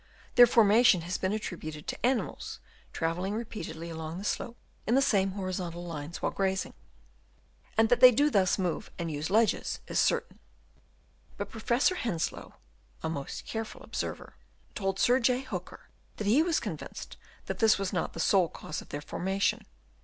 Their formation has been attributed to animals travelling repeatedly along the slope in the same horizontal lines while grazing, and that they do thus move and use the ledges is certain ; but Professor Hens low (a most careful observer) told Sir J. Hooker that he was convinced that this was not the sole cause of their formation.